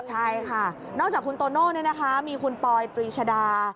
ใช่ค่ะนอกจากคุณโตโน่มีคุณปอยปรีชดา